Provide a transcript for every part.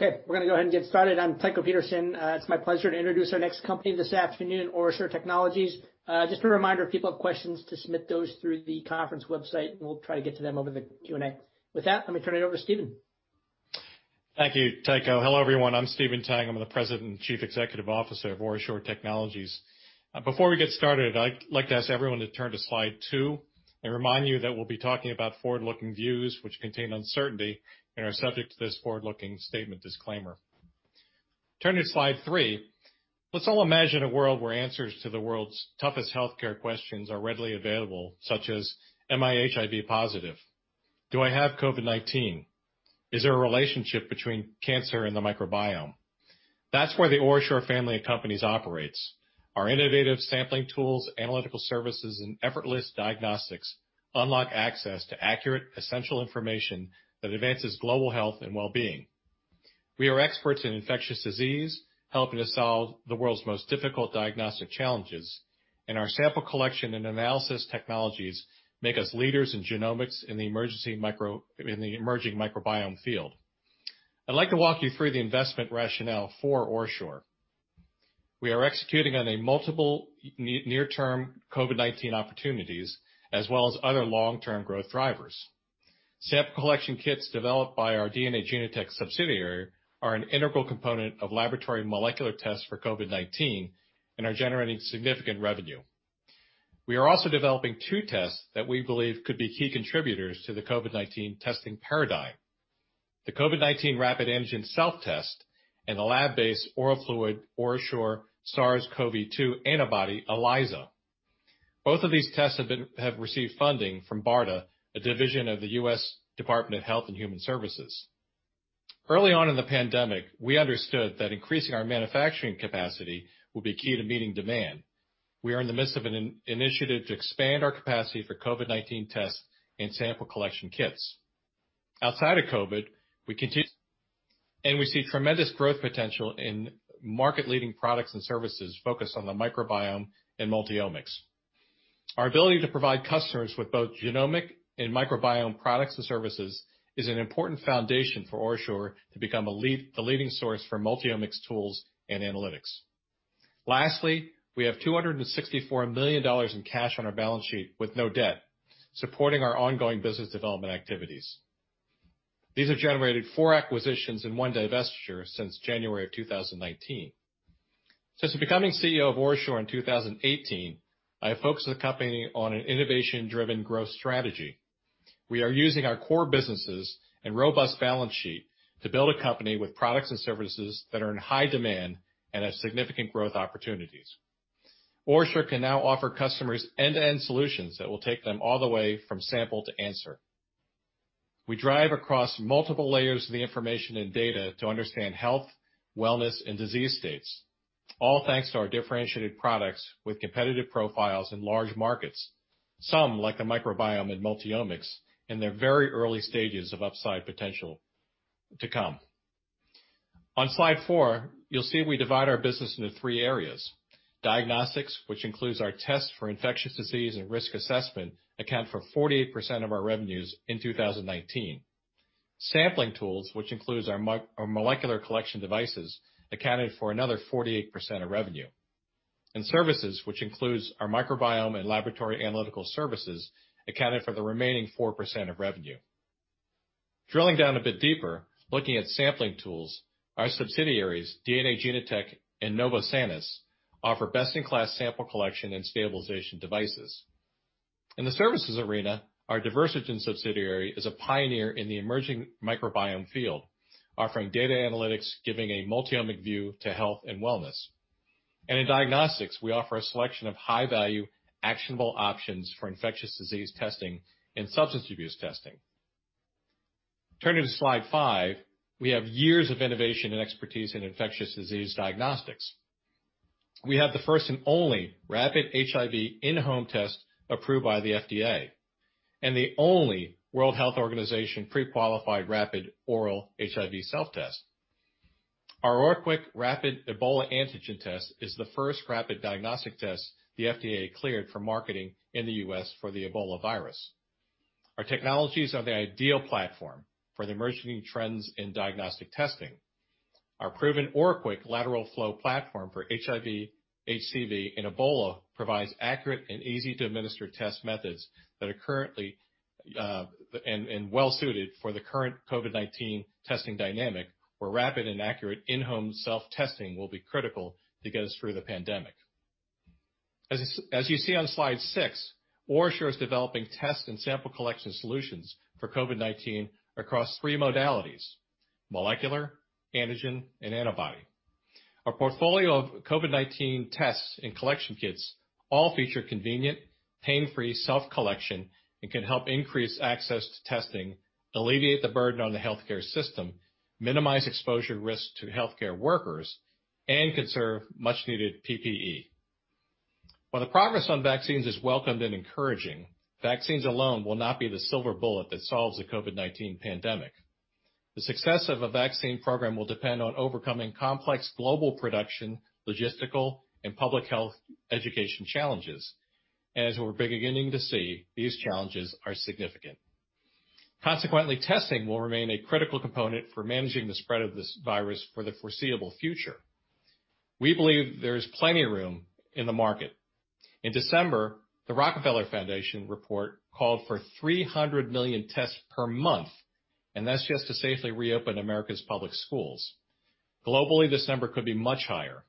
Okay, we're going to go ahead and get started. I'm Tycho Peterson. It's my pleasure to introduce our next company this afternoon, OraSure Technologies. Just a reminder, if people have questions, to submit those through the conference website, and we'll try to get to them over the Q&A. With that, let me turn it over to Stephen. Thank you, Tycho. Hello, everyone. I'm Stephen Tang. I'm the President and Chief Executive Officer of OraSure Technologies. Before we get started, I'd like to ask everyone to turn to slide two and remind you that we'll be talking about forward-looking views, which contain uncertainty and are subject to this forward-looking statement disclaimer. Turning to slide three, let's all imagine a world where answers to the world's toughest healthcare questions are readily available, such as, am I HIV positive? Do I have COVID-19? Is there a relationship between cancer and the microbiome? That's where the OraSure family of companies operates. Our innovative sampling tools, analytical services, and effortless diagnostics unlock access to accurate, essential information that advances global health and wellbeing. We are experts in infectious disease, helping to solve the world's most difficult diagnostic challenges, and our sample collection and analysis technologies make us leaders in genomics in the emerging microbiome field. I'd like to walk you through the investment rationale for OraSure. We are executing on multiple near-term COVID-19 opportunities as well as other long-term growth drivers. Sample collection kits developed by our DNA Genotek subsidiary are an integral component of laboratory molecular tests for COVID-19 and are generating significant revenue. We are also developing two tests that we believe could be key contributors to the COVID-19 testing paradigm, the COVID-19 rapid antigen self-test, and the lab-based oral fluid OraSure SARS-CoV-2 antibody ELISA. Both of these tests have received funding from BARDA, a division of the U.S. Department of Health and Human Services. Early on in the pandemic, we understood that increasing our manufacturing capacity would be key to meeting demand. We are in the midst of an initiative to expand our capacity for COVID-19 tests and sample collection kits. Outside of COVID, we continue, and we see tremendous growth potential in market-leading products and services focused on the microbiome and multi-omics. Our ability to provide customers with both genomic and microbiome products and services is an important foundation for OraSure to become the leading source for multi-omics tools and analytics. Lastly, we have $264 million in cash on our balance sheet with no debt, supporting our ongoing business development activities. These have generated four acquisitions and one divestiture since January of 2019. Since becoming CEO of OraSure in 2018, I have focused the company on an innovation-driven growth strategy. We are using our core businesses and robust balance sheet to build a company with products and services that are in high demand and have significant growth opportunities. OraSure can now offer customers end-to-end solutions that will take them all the way from sample to answer. We drive across multiple layers of the information and data to understand health, wellness, and disease states, all thanks to our differentiated products with competitive profiles in large markets, some like the microbiome and multi-omics, in their very early stages of upside potential to come. On slide four, you'll see we divide our business into three areas, diagnostics, which includes our tests for infectious disease and risk assessment, account for 48% of our revenues in 2019. Sampling tools, which includes our molecular collection devices, accounted for another 48% of revenue. Services, which includes our microbiome and laboratory analytical services, accounted for the remaining 4% of revenue. Drilling down a bit deeper, looking at sampling tools, our subsidiaries, DNA Genotek and Novosanis, offer best-in-class sample collection and stabilization devices. In the services arena, our Diversigen subsidiary is a pioneer in the emerging microbiome field, offering data analytics giving a multi-omic view to health and wellness. In diagnostics, we offer a selection of high-value, actionable options for infectious disease testing and substance abuse testing. Turning to slide five, we have years of innovation and expertise in infectious disease diagnostics. We have the first and only rapid HIV in-home test approved by the FDA, and the only World Health Organization pre-qualified rapid oral HIV self-test. Our OraQuick rapid Ebola antigen test is the first rapid diagnostic test the FDA cleared for marketing in the U.S. for the Ebola virus. Our technologies are the ideal platform for the emerging trends in diagnostic testing. Our proven OraQuick lateral flow platform for HIV, HCV, and Ebola provides accurate and easy-to-administer test methods that are currently and well-suited for the current COVID-19 testing dynamic, where rapid and accurate in-home self-testing will be critical to get us through the pandemic. As you see on slide six, OraSure is developing tests and sample collection solutions for COVID-19 across three modalities, molecular, antigen, and antibody. Our portfolio of COVID-19 tests and collection kits all feature convenient, pain-free self-collection and can help increase access to testing, alleviate the burden on the healthcare system, minimize exposure risk to healthcare workers, and conserve much-needed PPE. While the progress on vaccines is welcomed and encouraging, vaccines alone will not be the silver bullet that solves the COVID-19 pandemic. The success of a vaccine program will depend on overcoming complex global production, logistical, and public health education challenges. As we're beginning to see, these challenges are significant. Consequently, testing will remain a critical component for managing the spread of this virus for the foreseeable future. We believe there is plenty of room in the market. In December, The Rockefeller Foundation report called for 300 million tests per month, and that's just to safely reopen America's public schools. Globally, this number could be much higher.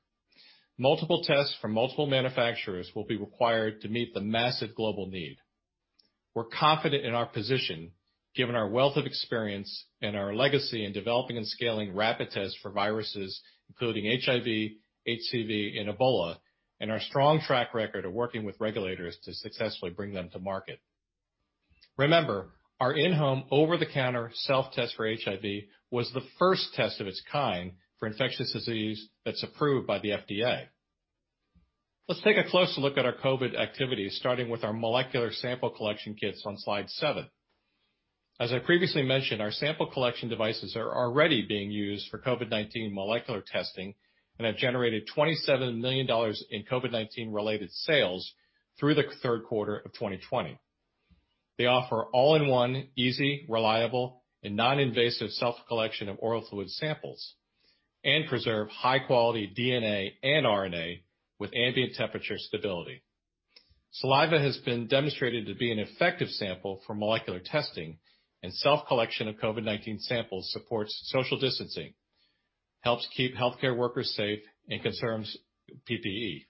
Multiple tests from multiple manufacturers will be required to meet the massive global need. We're confident in our position given our wealth of experience and our legacy in developing and scaling rapid tests for viruses including HIV, HCV, and Ebola, and our strong track record of working with regulators to successfully bring them to market. Remember, our in-home, over-the-counter self-test for HIV was the first test of its kind for infectious disease that's approved by the FDA. Let's take a closer look at our COVID activities, starting with our molecular sample collection kits on slide seven. As I previously mentioned, our sample collection devices are already being used for COVID-19 molecular testing and have generated $27 million in COVID-19 related sales through the third quarter of 2020. They offer all-in-one, easy, reliable, and non-invasive self-collection of oral fluid samples and preserve high-quality DNA and RNA with ambient temperature stability. Saliva has been demonstrated to be an effective sample for molecular testing, and self-collection of COVID-19 samples supports social distancing, helps keep healthcare workers safe, and conserves PPE.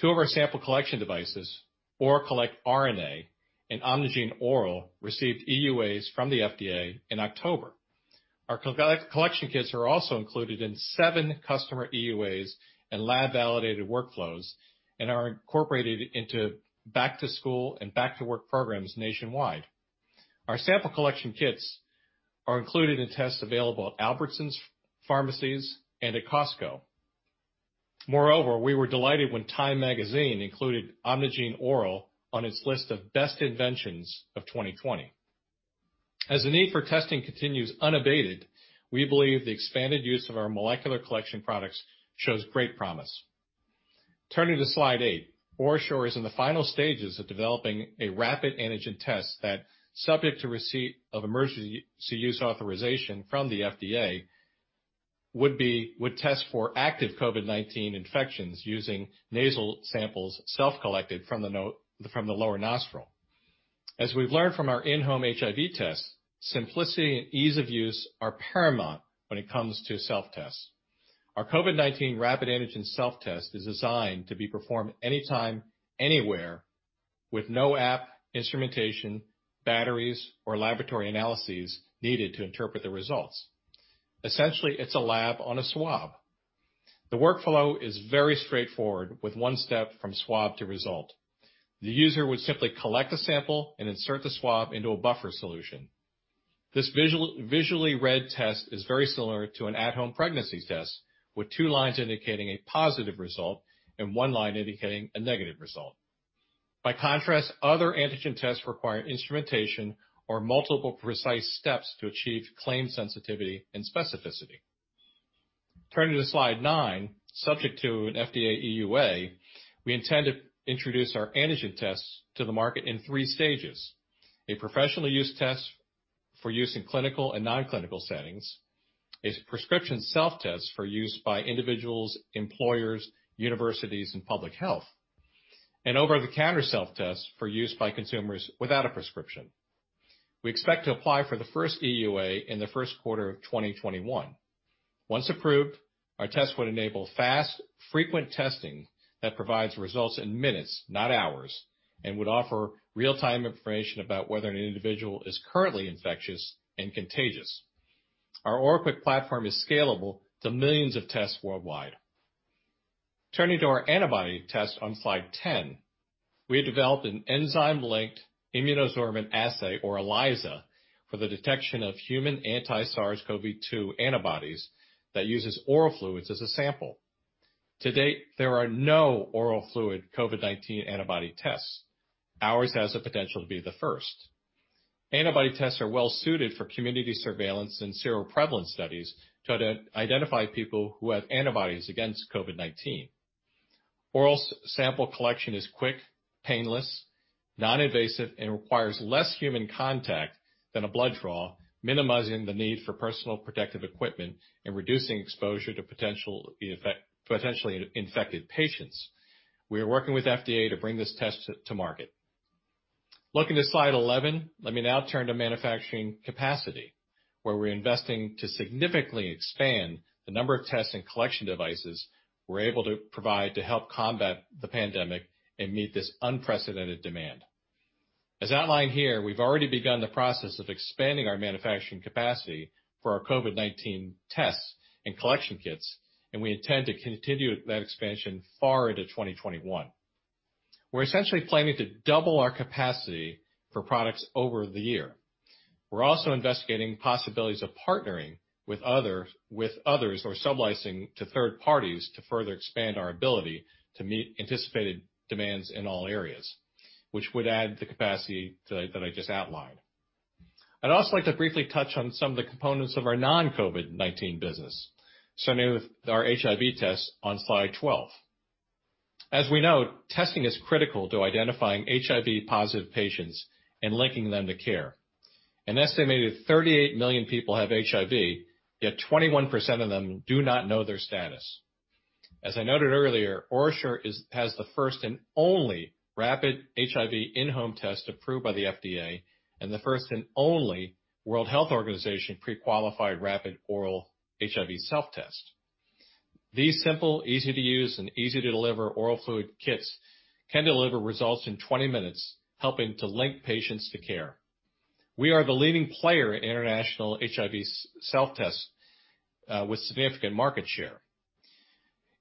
Two of our sample collection devices, ORAcollect·RNA and OMNIgene·ORAL, received EUAs from the FDA in October. Our collection kits are also included in seven customer EUAs and lab-validated workflows and are incorporated into back-to-school and back-to-work programs nationwide. Our sample collection kits are included in tests available at Albertsons Pharmacy and at Costco. Moreover, we were delighted when TIME magazine included OMNIgene·ORAL on its list of Best Inventions of 2020. As the need for testing continues unabated, we believe the expanded use of our molecular collection products shows great promise. Turning to slide eight, OraSure is in the final stages of developing a rapid antigen test that, subject to receipt of emergency use authorization from the FDA, would test for active COVID-19 infections using nasal samples self-collected from the lower nostril. As we've learned from our in-home HIV test, simplicity and ease of use are paramount when it comes to self-tests. Our COVID-19 rapid antigen self-test is designed to be performed anytime, anywhere with no app, instrumentation, batteries, or laboratory analyses needed to interpret the results. Essentially, it's a lab on a swab. The workflow is very straightforward, with one step from swab to result. The user would simply collect a sample and insert the swab into a buffer solution. This visually read test is very similar to an at-home pregnancy test, with two lines indicating a positive result and one line indicating a negative result. By contrast, other antigen tests require instrumentation or multiple precise steps to achieve claimed sensitivity and specificity. Turning to slide nine, subject to an FDA EUA, we intend to introduce our antigen tests to the market in three stages. A professional use test for use in clinical and non-clinical settings, a prescription self-test for use by individuals, employers, universities, and public health, and over-the-counter self-test for use by consumers without a prescription. We expect to apply for the first EUA in the first quarter of 2021. Once approved, our test would enable fast, frequent testing that provides results in minutes, not hours, and would offer real-time information about whether an individual is currently infectious and contagious. Our OraQuick platform is scalable to millions of tests worldwide. Turning to our antibody test on slide 10, we have developed an enzyme-linked immunosorbent assay, or ELISA, for the detection of human anti-SARS-CoV-2 antibodies that uses oral fluids as a sample. To date, there are no oral fluid COVID-19 antibody tests. Ours has the potential to be the first. Antibody tests are well-suited for community surveillance and seroprevalence studies to identify people who have antibodies against COVID-19. Oral sample collection is quick, painless, non-invasive, and requires less human contact than a blood draw, minimizing the need for personal protective equipment and reducing exposure to potentially infected patients. We are working with FDA to bring this test to market. Looking to slide 11, let me now turn to manufacturing capacity, where we're investing to significantly expand the number of tests and collection devices we're able to provide to help combat the pandemic and meet this unprecedented demand. As outlined here, we've already begun the process of expanding our manufacturing capacity for our COVID-19 tests and collection kits, and we intend to continue that expansion far into 2021. We're essentially planning to double our capacity for products over the year. We're also investigating possibilities of partnering with others or sub-leasing to third parties to further expand our ability to meet anticipated demands in all areas, which would add the capacity that I just outlined. I'd also like to briefly touch on some of the components of our non-COVID-19 business, starting with our HIV test on slide 12. As we know, testing is critical to identifying HIV positive patients and linking them to care. An estimated 38 million people have HIV, yet 21% of them do not know their status. As I noted earlier, OraSure has the first and only rapid HIV in-home test approved by the FDA and the first and only World Health Organization pre-qualified rapid oral HIV self-test. These simple, easy to use, and easy to deliver oral fluid kits can deliver results in 20 minutes, helping to link patients to care. We are the leading player in international HIV self-tests with significant market share.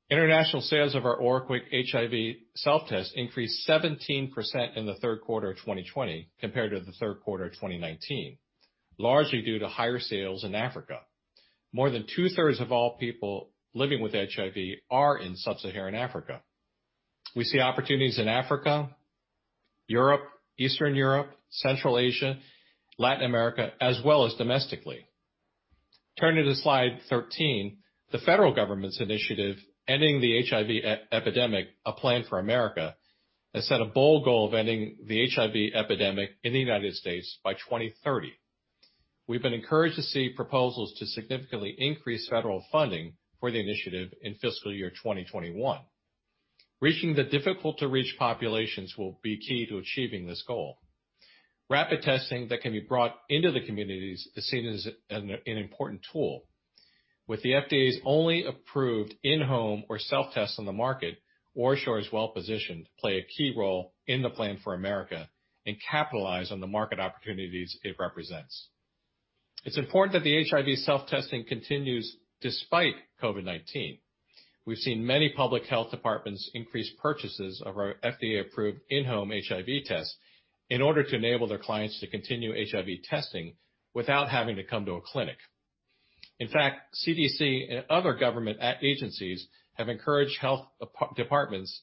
International sales of our OraQuick HIV self-test increased 17% in the third quarter of 2020 compared to the third quarter of 2019, largely due to higher sales in Africa. More than two-thirds of all people living with HIV are in sub-Saharan Africa. We see opportunities in Africa, Europe, Eastern Europe, Central Asia, Latin America, as well as domestically. Turning to slide 13, the federal government's initiative, Ending the HIV Epidemic: A Plan for America, has set a bold goal of ending the HIV epidemic in the United States by 2030. We've been encouraged to see proposals to significantly increase federal funding for the initiative in fiscal year 2021. Reaching the difficult to reach populations will be key to achieving this goal. Rapid testing that can be brought into the communities is seen as an important tool. With the FDA's only approved in-home or self-test on the market, OraSure is well positioned to play a key role in the Plan for America and capitalize on the market opportunities it represents. It's important that the HIV self-testing continues despite COVID-19. We've seen many public health departments increase purchases of our FDA-approved in-home HIV test in order to enable their clients to continue HIV testing without having to come to a clinic. CDC and other government agencies have encouraged health departments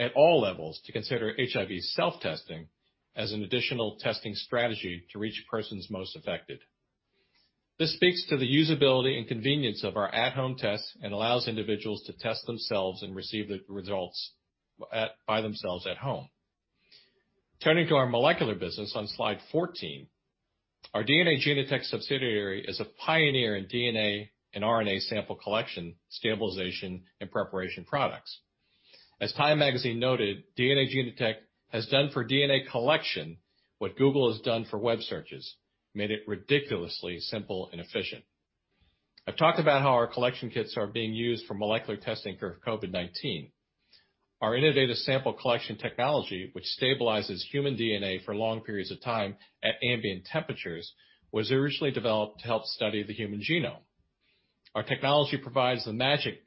at all levels to consider HIV self-testing as an additional testing strategy to reach persons most affected. This speaks to the usability and convenience of our at-home tests and allows individuals to test themselves and receive the results by themselves at home. Turning to our molecular business on Slide 14, our DNA Genotek subsidiary is a pioneer in DNA and RNA sample collection, stabilization, and preparation products. As TIME Magazine noted, DNA Genotek has done for DNA collection what Google has done for web searches, made it ridiculously simple and efficient. I've talked about how our collection kits are being used for molecular testing for COVID-19. Our innovative sample collection technology, which stabilizes human DNA for long periods of time at ambient temperatures, was originally developed to help study the human genome. Our technology provides the magic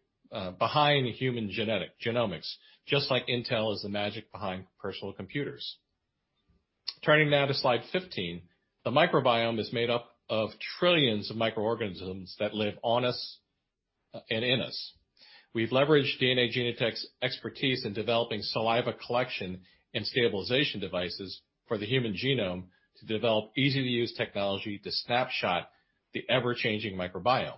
behind human genetics, genomics, just like Intel is the magic behind personal computers. Turning now to Slide 15, the microbiome is made up of trillions of microorganisms that live on us and in us. We've leveraged DNA Genotek's expertise in developing saliva collection and stabilization devices for the human genome to develop easy-to-use technology to snapshot the ever-changing microbiome.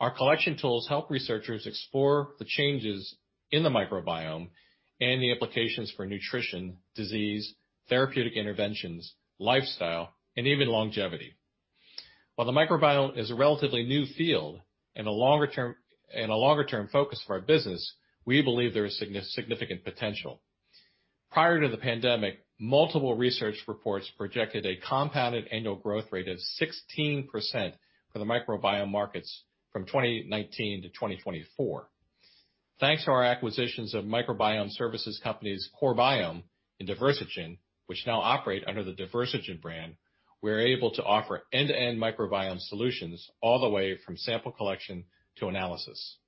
Our collection tools help researchers explore the changes in the microbiome and the applications for nutrition, disease, therapeutic interventions, lifestyle, and even longevity. While the microbiome is a relatively new field and a longer term focus for our business, we believe there is significant potential. Prior to the pandemic, multiple research reports projected a compounded annual growth rate of 16% for the microbiome markets from 2019-2024. Thanks to our acquisitions of microbiome services companies CoreBiome and Diversigen, which now operate under the Diversigen brand, we're able to offer end-to-end microbiome solutions all the way from sample collection to analysis.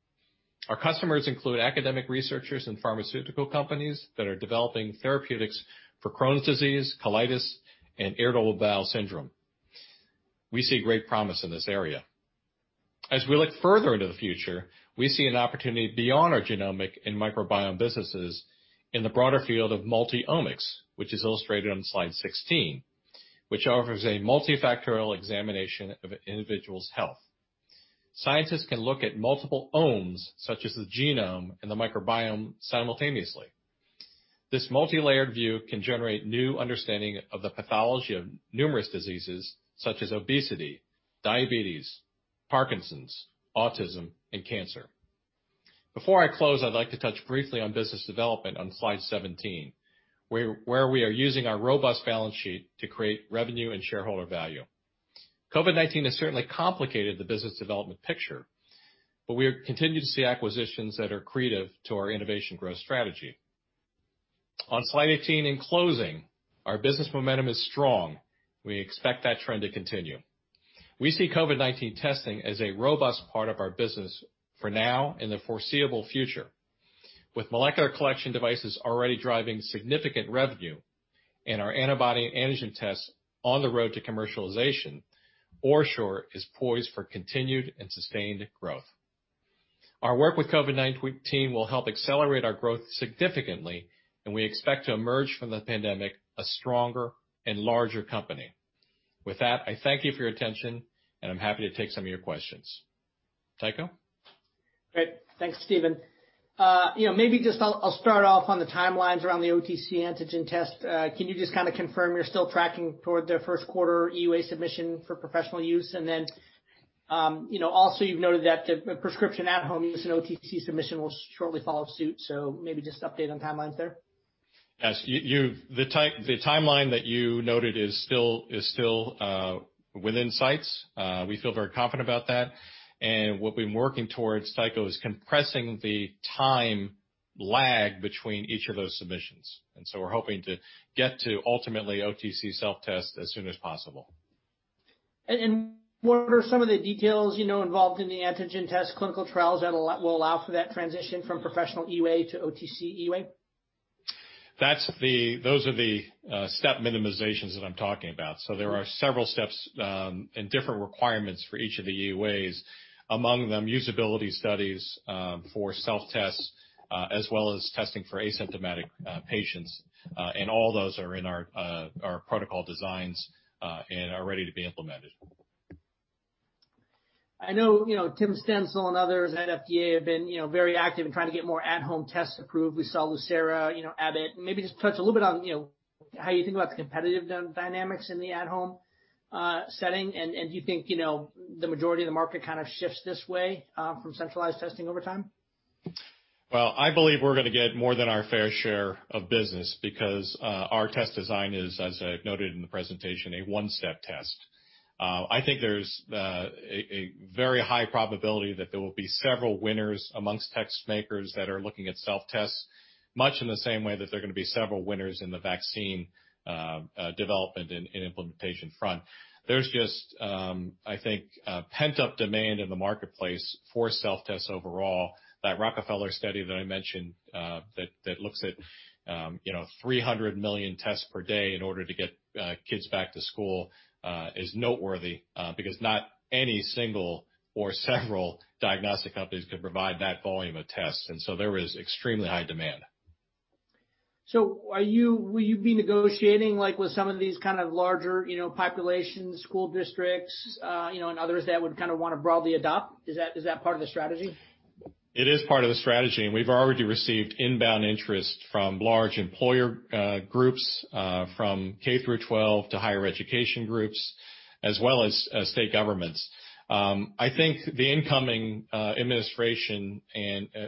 Our customers include academic researchers and pharmaceutical companies that are developing therapeutics for Crohn's disease, colitis, and irritable bowel syndrome. We see great promise in this area. As we look further into the future, we see an opportunity beyond our genomic and microbiome businesses in the broader field of multi-omics, which is illustrated on slide 16, which offers a multifactorial examination of an individual's health. Scientists can look at multiple -omes, such as the genome and the microbiome, simultaneously. This multilayered view can generate new understanding of the pathology of numerous diseases such as obesity, diabetes, Parkinson's, autism, and cancer. Before I close, I'd like to touch briefly on business development on slide 17, where we are using our robust balance sheet to create revenue and shareholder value. COVID-19 has certainly complicated the business development picture, but we continue to see acquisitions that are accretive to our innovation growth strategy. On slide 18, in closing, our business momentum is strong. We expect that trend to continue. We see COVID-19 testing as a robust part of our business for now and the foreseeable future. With molecular collection devices already driving significant revenue and our antibody antigen tests on the road to commercialization, OraSure is poised for continued and sustained growth. Our work with COVID-19 will help accelerate our growth significantly, and we expect to emerge from the pandemic a stronger and larger company. With that, I thank you for your attention, and I'm happy to take some of your questions. Tycho? Great. Thanks, Stephen. Maybe just I'll start off on the timelines around the OTC antigen test. Can you just confirm you're still tracking toward the first quarter EUA submission for professional use? Also, you've noted that the prescription at-home use and OTC submission will shortly follow suit, so maybe just update on timelines there. Yes. The timeline that you noted is still within sights. We feel very confident about that. What we've been working towards, Tycho, is compressing the time lag between each of those submissions. We're hoping to get to ultimately OTC self-test as soon as possible. What are some of the details involved in the antigen test clinical trials that will allow for that transition from professional EUA to OTC EUA? Those are the step minimizations that I'm talking about. There are several steps, and different requirements for each of the EUAs. Among them, usability studies for self-tests, as well as testing for asymptomatic patients. All those are in our protocol designs, and are ready to be implemented. I know Tim Stenzel and others at FDA have been very active in trying to get more at-home tests approved. We saw Lucira, Abbott. Maybe just touch a little bit on how you think about the competitive dynamics in the at-home setting and do you think the majority of the market kind of shifts this way, from centralized testing over time? Well, I believe we're going to get more than our fair share of business because our test design is, as I noted in the presentation, a one-step test. I think there's a very high probability that there will be several winners amongst test makers that are looking at self-tests, much in the same way that there are going to be several winners in the vaccine development and implementation front. There's just, I think, pent-up demand in the marketplace for self-tests overall. That Rockefeller study that I mentioned that looks at 300 million tests per month in order to get kids back to school is noteworthy, because not any single or several diagnostic companies could provide that volume of tests. There is extremely high demand. Will you be negotiating with some of these kind of larger populations, school districts, and others that would want to broadly adopt? Is that part of the strategy? It is part of the strategy, and we've already received inbound interest from large employer groups, from K-12 to higher education groups, as well as state governments. I think the incoming administration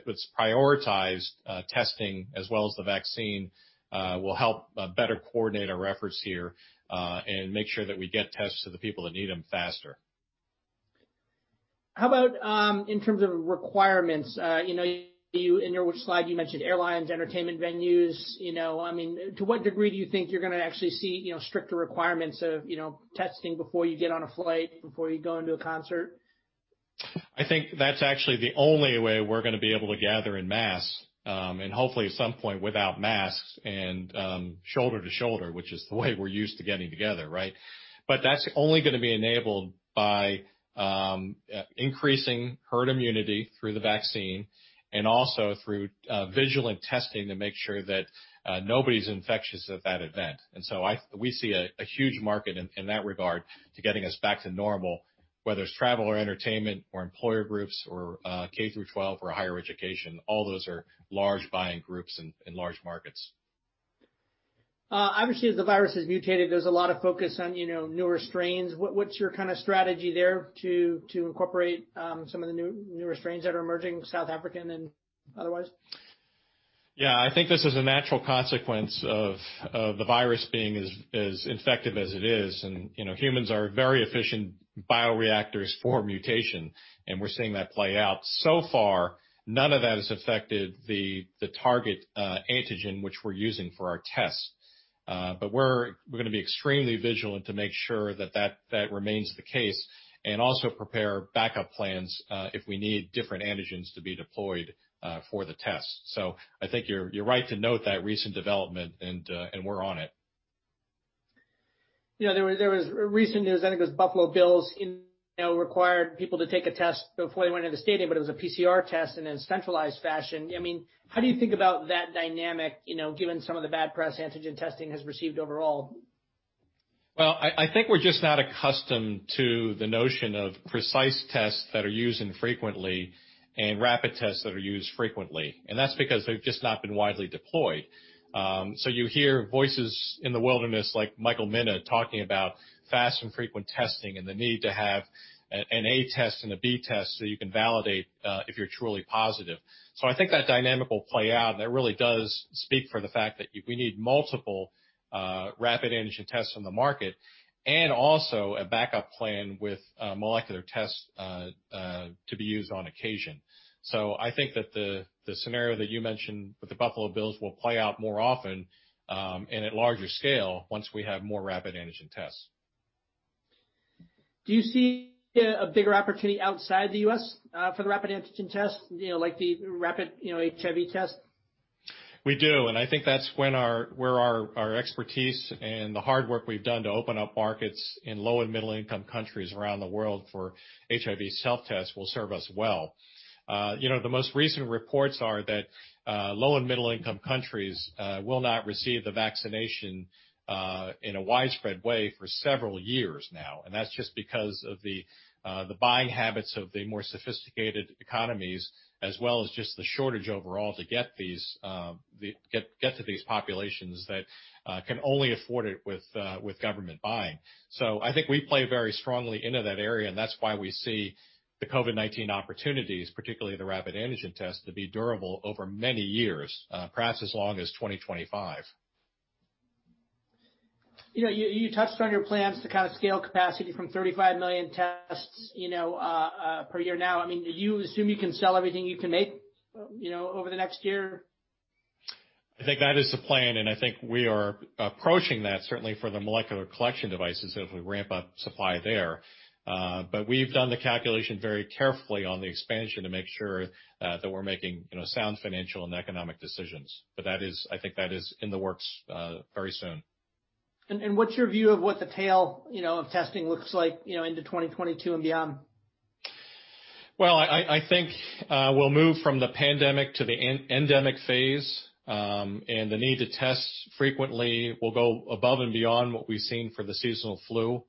that's prioritized testing as well as the vaccine will help better coordinate our efforts here, and make sure that we get tests to the people that need them faster. How about in terms of requirements? In your slide, you mentioned airlines, entertainment venues. To what degree do you think you're going to actually see stricter requirements of testing before you get on a flight, before you go into a concert? I think that's actually the only way we're going to be able to gather in mass, and hopefully at some point without masks and shoulder to shoulder, which is the way we're used to getting together. That's only going to be enabled by increasing herd immunity through the vaccine, and also through vigilant testing to make sure that nobody's infectious at that event. We see a huge market in that regard to getting us back to normal, whether it's travel or entertainment or employer groups or K-12 or higher education. All those are large buying groups and large markets. Obviously, as the virus has mutated, there's a lot of focus on newer strains. What's your strategy there to incorporate some of the newer strains that are emerging, South African and otherwise? Yeah. I think this is a natural consequence of the virus being as infective as it is. Humans are very efficient bioreactors for mutation, and we're seeing that play out. So far, none of that has affected the target antigen which we're using for our tests. We're going to be extremely vigilant to make sure that remains the case, and also prepare backup plans if we need different antigens to be deployed for the test. I think you're right to note that recent development, and we're on it. There was recent news, I think it was Buffalo Bills required people to take a test before they went into the stadium, but it was a PCR test in a centralized fashion. How do you think about that dynamic given some of the bad press antigen testing has received overall? I think we're just not accustomed to the notion of precise tests that are used infrequently and rapid tests that are used frequently, and that's because they've just not been widely deployed. You hear voices in the wilderness like Michael Mina talking about fast and frequent testing and the need to have an A test and a B test so you can validate if you're truly positive. I think that dynamic will play out, and that really does speak for the fact that we need multiple rapid antigen tests on the market and also a backup plan with molecular tests to be used on occasion. I think that the scenario that you mentioned with the Buffalo Bills will play out more often, and at larger scale, once we have more rapid antigen tests. Do you see a bigger opportunity outside the U.S. for the rapid antigen test, like the rapid HIV test? We do, and I think that's where our expertise and the hard work we've done to open up markets in low and middle-income countries around the world for HIV self-tests will serve us well. The most recent reports are that low and middle-income countries will not receive the vaccination in a widespread way for several years now, and that's just because of the buying habits of the more sophisticated economies, as well as just the shortage overall to get to these populations that can only afford it with government buying. I think we play very strongly into that area, and that's why we see the COVID-19 opportunities, particularly the rapid antigen test, to be durable over many years, perhaps as long as 2025. You touched on your plans to scale capacity from 35 million tests per year now. Do you assume you can sell everything you can make over the next year? I think that is the plan, and I think we are approaching that, certainly for the molecular collection devices as we ramp up supply there. We've done the calculation very carefully on the expansion to make sure that we're making sound financial and economic decisions. I think that is in the works very soon. What's your view of what the tail of testing looks like into 2022 and beyond? Well, I think we'll move from the pandemic to the endemic phase, and the need to test frequently will go above and beyond what we've seen for the seasonal flu.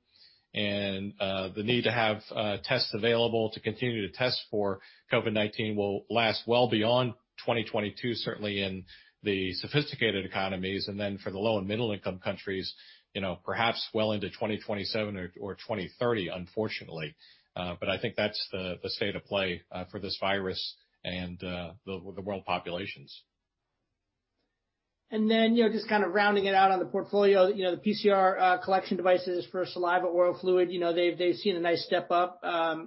The need to have tests available to continue to test for COVID-19 will last well beyond 2022, certainly in the sophisticated economies, and then for the low and middle-income countries perhaps well into 2027 or 2030, unfortunately. I think that's the state of play for this virus and the world populations. Just kind of rounding it out on the portfolio, the PCR collection devices for saliva, oral fluid they've seen a nice step up.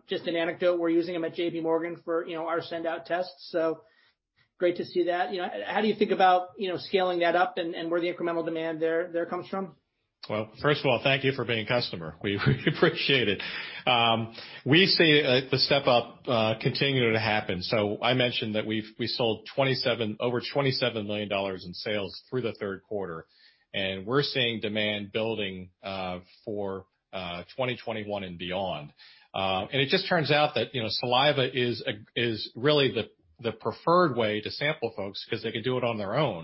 Just an anecdote, we're using them at JPMorgan for our send-out tests, great to see that. How do you think about scaling that up and where the incremental demand there comes from? First of all, thank you for being a customer. We appreciate it. We see the step-up continuing to happen. I mentioned that we sold over $27 million in sales through the third quarter, and we're seeing demand building for 2021 and beyond. It just turns out that saliva is really the preferred way to sample folks because they can do it on their own,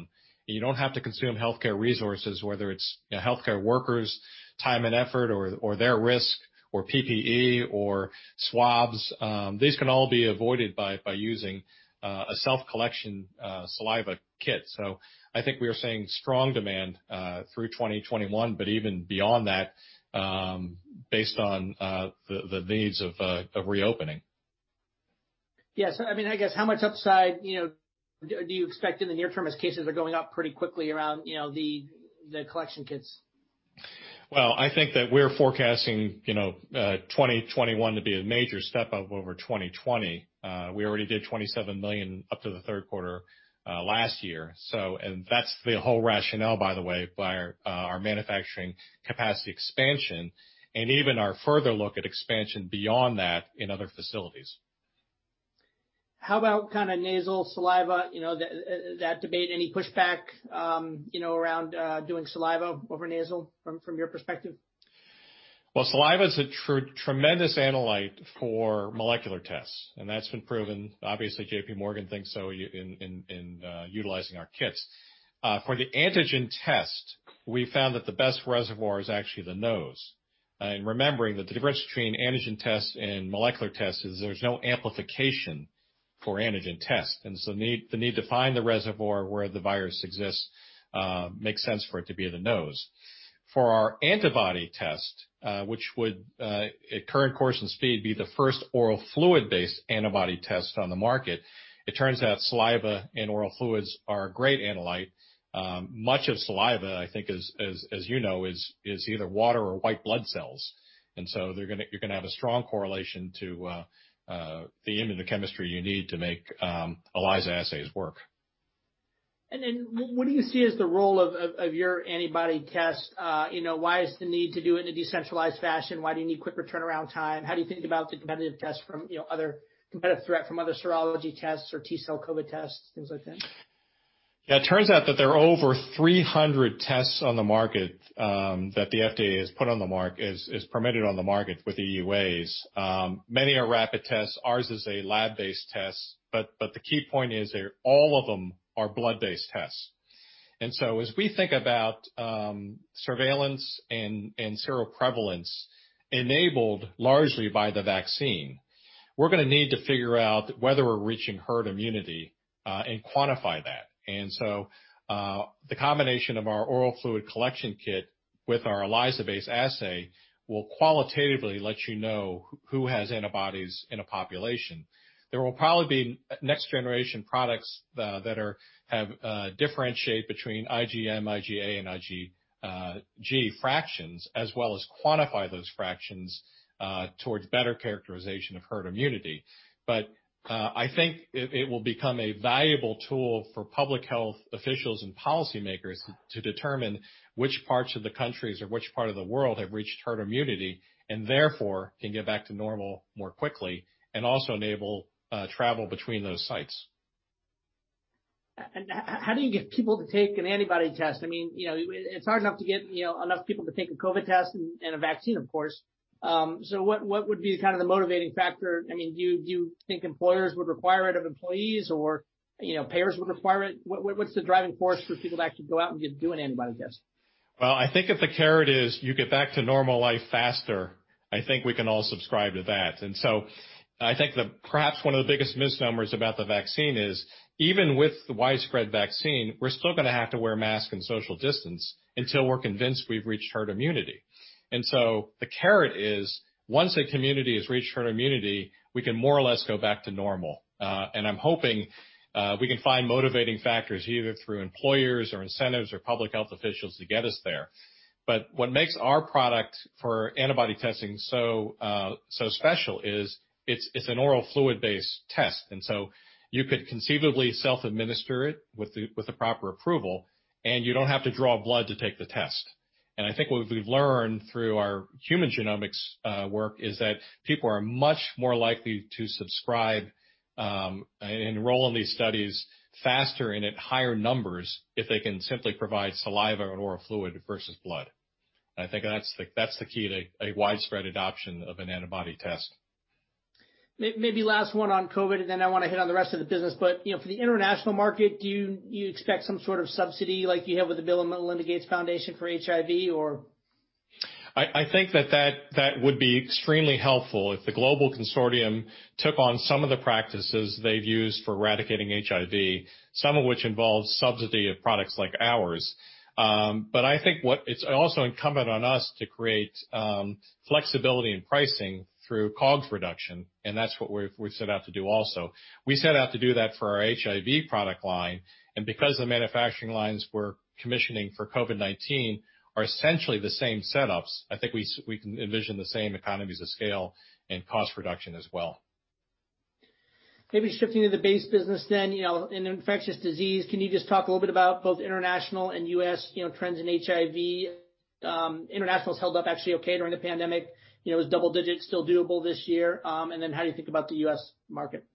and you don't have to consume healthcare resources, whether it's healthcare workers' time and effort or their risk or PPE or swabs. These can all be avoided by using a self-collection saliva kit. I think we are seeing strong demand through 2021, but even beyond that based on the needs of reopening. Yes. I guess, how much upside do you expect in the near term as cases are going up pretty quickly around the collection kits? Well, I think that we're forecasting 2021 to be a major step-up over 2020. We already did $27 million up to the third quarter last year. That's the whole rationale, by the way, by our manufacturing capacity expansion and even our further look at expansion beyond that in other facilities. How about nasal, saliva, that debate? Any pushback around doing saliva over nasal from your perspective? Well, saliva is a tremendous analyte for molecular tests, and that's been proven. Obviously JPMorgan thinks so in utilizing our kits. For the antigen test, we found that the best reservoir is actually the nose. Remembering that the difference between antigen tests and molecular tests is there's no amplification for antigen tests. The need to find the reservoir where the virus exists makes sense for it to be the nose. For our antibody test which would, at current course and speed, be the first oral fluid-based antibody test on the market, it turns out saliva and oral fluids are a great analyte. Much of saliva, I think as you know, is either water or white blood cells. You're going to have a strong correlation to the immunochemistry you need to make ELISA assays work. What do you see as the role of your antibody test? Why is the need to do it in a decentralized fashion? Why do you need quicker turnaround time? How do you think about the competitive threat from other serology tests or T-cell COVID tests, things like that? Yeah. It turns out that there are over 300 tests on the market that the FDA has permitted on the market with EUAs. Many are rapid tests. Ours is a lab-based test. The key point is all of them are blood-based tests. As we think about surveillance and seroprevalence enabled largely by the vaccine, we're going to need to figure out whether we're reaching herd immunity and quantify that. The combination of our oral fluid collection kit with our ELISA-based assay will qualitatively let you know who has antibodies in a population. There will probably be next-generation products that differentiate between IgM, IgA, and IgG fractions as well as quantify those fractions towards better characterization of herd immunity. I think it will become a valuable tool for public health officials and policymakers to determine which parts of the countries or which part of the world have reached herd immunity and therefore can get back to normal more quickly and also enable travel between those sites. How do you get people to take an antibody test? It's hard enough to get enough people to take a COVID test and a vaccine, of course. What would be the motivating factor? Do you think employers would require it of employees or payers would require it? What's the driving force for people to actually go out and do an antibody test? Well, I think if the carrot is you get back to normal life faster, I think we can all subscribe to that. I think perhaps one of the biggest misnomers about the vaccine is even with the widespread vaccine, we're still going to have to wear a mask and social distance until we're convinced we've reached herd immunity. The carrot is once a community has reached herd immunity, we can more or less go back to normal. I'm hoping we can find motivating factors either through employers or incentives or public health officials to get us there. What makes our product for antibody testing so special is it's an oral fluid-based test. You could conceivably self-administer it with the proper approval, and you don't have to draw blood to take the test. I think what we've learned through our human genomics work is that people are much more likely to subscribe and enroll in these studies faster and at higher numbers if they can simply provide saliva and oral fluid versus blood. I think that's the key to a widespread adoption of an antibody test. Maybe last one on COVID. I want to hit on the rest of the business. For the international market, do you expect some sort of subsidy like you have with the Bill & Melinda Gates Foundation for HIV? I think that would be extremely helpful if the global consortium took on some of the practices they've used for eradicating HIV, some of which involves subsidy of products like ours. I think it's also incumbent on us to create flexibility in pricing through COGS reduction, and that's what we set out to do also. We set out to do that for our HIV product line, because the manufacturing lines we're commissioning for COVID-19 are essentially the same setups, I think we can envision the same economies of scale and cost reduction as well. Maybe shifting to the base business then, in infectious disease, can you just talk a little bit about both international and U.S. trends in HIV? International's held up actually okay during the pandemic. Is double digits still doable this year? How do you think about the U.S. market?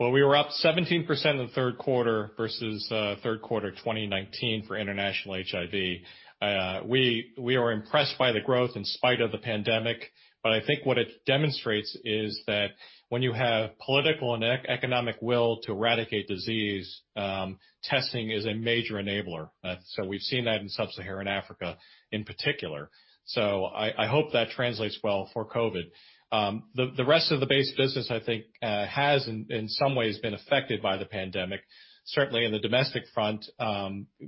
We were up 17% in the third quarter versus third quarter 2019 for international HIV. We were impressed by the growth in spite of the pandemic, I think what it demonstrates is that when you have political and economic will to eradicate disease, testing is a major enabler. We've seen that in sub-Saharan Africa in particular. I hope that translates well for COVID. The rest of the base business, I think, has in some ways been affected by the pandemic, certainly in the domestic front,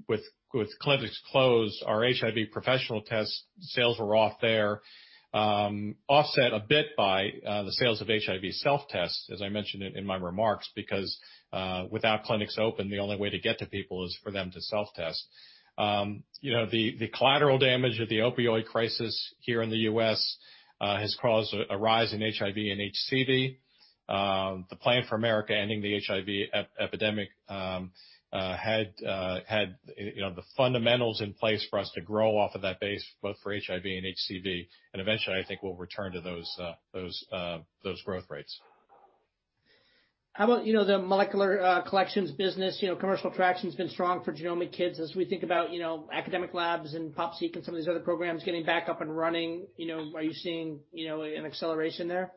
with clinics closed, our HIV professional test sales were off there, offset a bit by the sales of HIV self-tests, as I mentioned in my remarks, because, without clinics open, the only way to get to people is for them to self-test. The collateral damage of the opioid crisis here in the U.S. has caused a rise in HIV and HCV. The Plan for America Ending the HIV Epidemic, had the fundamentals in place for us to grow off of that base, both for HIV and HCV. Eventually, I think we'll return to those growth rates. How about the molecular collections business? Commercial traction's been strong for Genomic kits. As we think about academic labs and PopSeq and some of these other programs getting back up and running, are you seeing an acceleration there?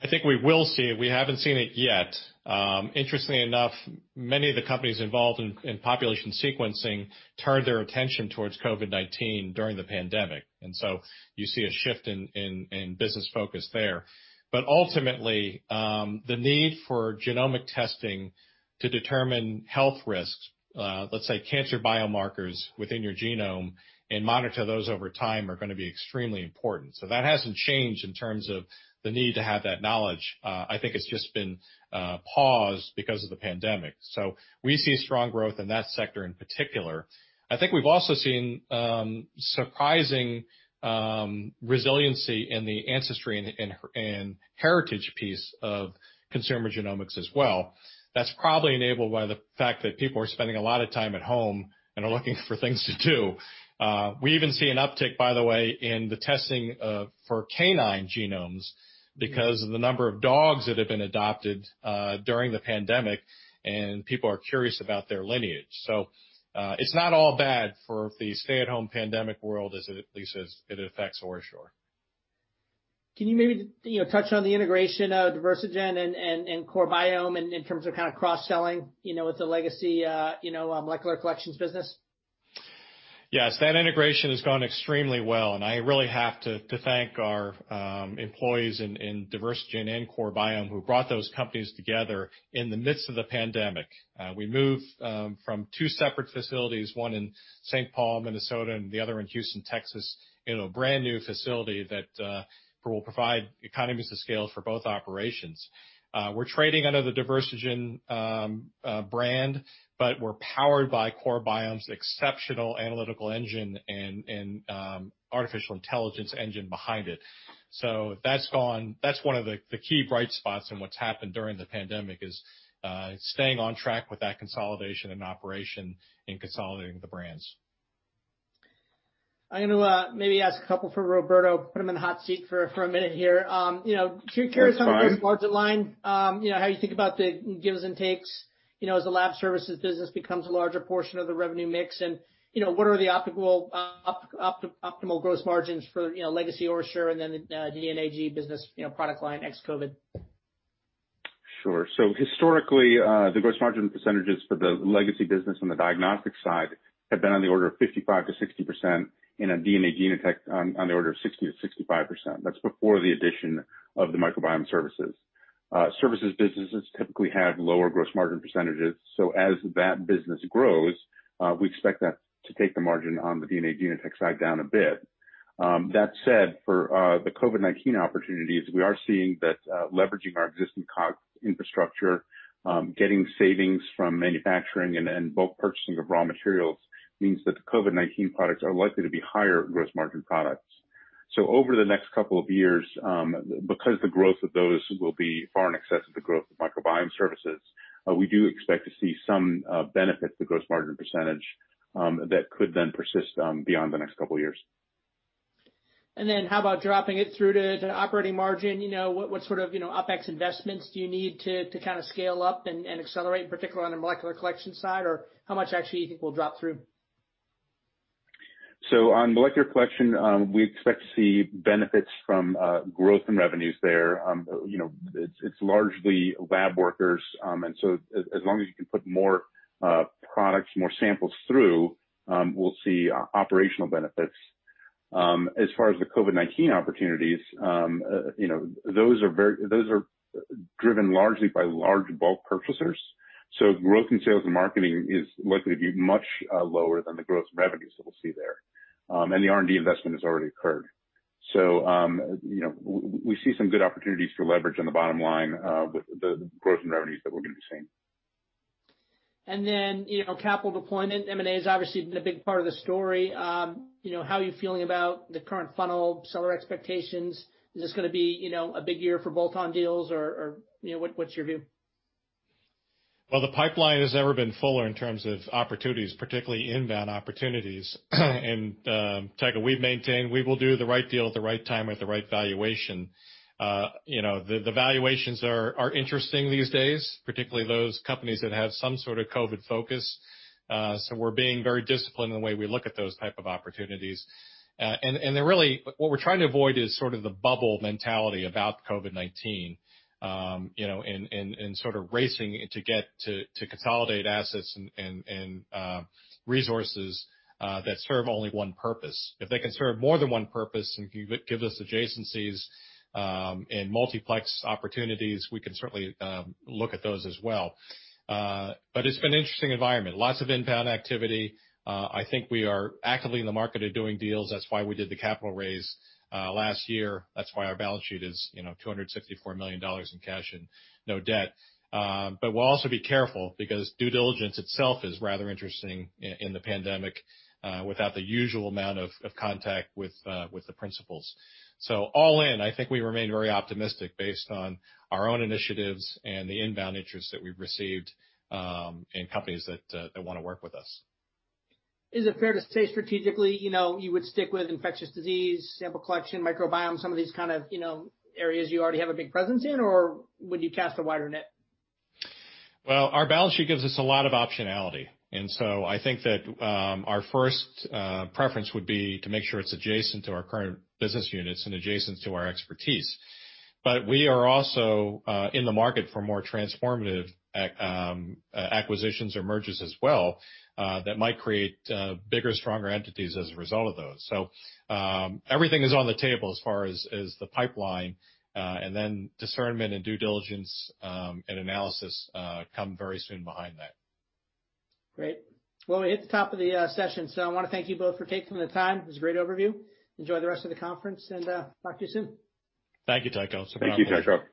I think we will see it. We haven't seen it yet. Interestingly enough, many of the companies involved in population sequencing turned their attention towards COVID-19 during the pandemic, and you see a shift in business focus there. Ultimately, the need for genomic testing to determine health risks, let's say cancer biomarkers within your genome and monitor those over time, are going to be extremely important. That hasn't changed in terms of the need to have that knowledge. I think it's just been paused because of the pandemic. We see strong growth in that sector in particular. I think we've also seen surprising resiliency in the ancestry and heritage piece of consumer genomics as well. That's probably enabled by the fact that people are spending a lot of time at home and are looking for things to do. We even see an uptick, by the way, in the testing for canine genomes because of the number of dogs that have been adopted during the pandemic, and people are curious about their lineage. It's not all bad for the stay-at-home pandemic world, at least as it affects OraSure. Can you maybe touch on the integration of Diversigen and CoreBiome in terms of cross-selling, with the legacy molecular collections business? Yes, that integration has gone extremely well, and I really have to thank our employees in Diversigen and CoreBiome who brought those companies together in the midst of the pandemic. We moved from two separate facilities, one in Saint Paul, Minnesota, and the other in Houston, Texas, in a brand-new facility that will provide economies of scale for both operations. We're trading under the Diversigen brand, but we're powered by CoreBiome's exceptional analytical engine and artificial intelligence engine behind it. That's one of the key bright spots in what's happened during the pandemic, is staying on track with that consolidation and operation in consolidating the brands. I'm going to maybe ask a couple for Roberto, put him in the hot seat for a minute here. That's fine. Can you carry us on the gross margin line, how you think about the gives and takes, as the lab services business becomes a larger portion of the revenue mix, and what are the optimal gross margins for legacy OraSure and then the DNA Genotek business product line ex-COVID? Sure. Historically, the gross margin percentages for the legacy business on the diagnostics side have been on the order of 55%-60%, and DNA Genotek on the order of 60%-65%. That's before the addition of the microbiome services. Services businesses typically have lower gross margin percentages. As that business grows, we expect that to take the margin on the DNA Genotek side down a bit. That said, for the COVID-19 opportunities, we are seeing that leveraging our existing COGS infrastructure, getting savings from manufacturing and bulk purchasing of raw materials means that the COVID-19 products are likely to be higher gross margin products. Over the next couple of years, because the growth of those will be far in excess of the growth of microbiome services, we do expect to see some benefit to gross margin percentage, that could then persist beyond the next couple of years. Then how about dropping it through to operating margin? What sort of OpEx investments do you need to scale up and accelerate, particularly on the molecular collection side, or how much actually do you think will drop through? On molecular collection, we expect to see benefits from growth and revenues there. It's largely lab workers, as long as you can put more products, more samples through, we'll see operational benefits. As far as the COVID-19 opportunities, those are driven largely by large bulk purchasers. Growth in sales and marketing is likely to be much lower than the growth in revenues that we'll see there. The R&D investment has already occurred. We see some good opportunities for leverage on the bottom line with the growth in revenues that we're going to be seeing. Capital deployment, M&A has obviously been a big part of the story. How are you feeling about the current funnel, seller expectations? Is this going to be a big year for bolt-on deals or, what's your view? Well, the pipeline has never been fuller in terms of opportunities, particularly inbound opportunities. Tycho, we've maintained we will do the right deal at the right time at the right valuation. The valuations are interesting these days, particularly those companies that have some sort of COVID focus. We're being very disciplined in the way we look at those type of opportunities. Really, what we're trying to avoid is the bubble mentality about COVID-19, and racing to get to consolidate assets and resources that serve only one purpose. If they can serve more than one purpose and give us adjacencies, and multiplex opportunities, we can certainly look at those as well. It's been an interesting environment. Lots of inbound activity. I think we are actively in the market of doing deals. That's why we did the capital raise last year. That's why our balance sheet is $264 million in cash and no debt. We'll also be careful because due diligence itself is rather interesting in the pandemic, without the usual amount of contact with the principals. All in, I think we remain very optimistic based on our own initiatives and the inbound interest that we've received, in companies that want to work with us. Is it fair to say strategically, you would stick with infectious disease, sample collection, microbiome, some of these kind of areas you already have a big presence in, or would you cast a wider net? Our balance sheet gives us a lot of optionality, and so I think that our first preference would be to make sure it's adjacent to our current business units and adjacent to our expertise. We are also in the market for more transformative acquisitions or mergers as well, that might create bigger, stronger entities as a result of those. Everything is on the table as far as the pipeline, and then discernment and due diligence, and analysis come very soon behind that. Great. Well, we hit the top of the session. I want to thank you both for taking the time. It was a great overview. Enjoy the rest of the conference and talk to you soon. Thank you, Tycho. It's no problem. Thank you, Tycho.